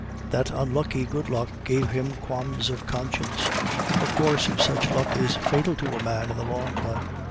That unlucky good luck gave him qualms of conscience. A course of such luck is fatal to a man in the long run.